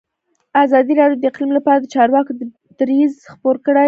ازادي راډیو د اقلیم لپاره د چارواکو دریځ خپور کړی.